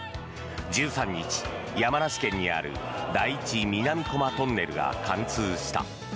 １３日、山梨県にある第一南巨摩トンネルが貫通した。